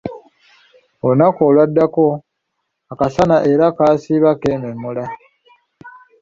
Olunaku olwaddako, akasana era kaasiiba keememula.